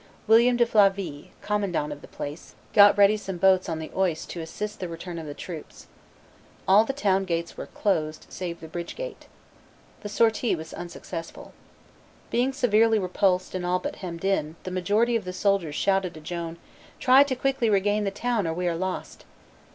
William de Flavy, commandant of the place, got ready some boats on the Oise to assist the return of the troops. All the town gates were closed, save the bridge gate. The sortie was unsuccessful. Being severely repulsed and all but hemmed in, the majority of the soldiers shouted to Joan, "Try to quickly regain the town, or we are lost."